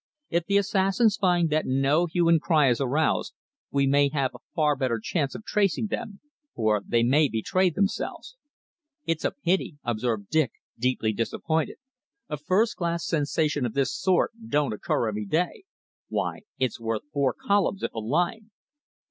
If the assassins find that no hue and cry is aroused we may have a far better chance of tracing them, for they may betray themselves." "It's a pity," observed Dick, deeply disappointed. "A first class sensation of this sort don't occur every day. Why, it's worth four columns if a line."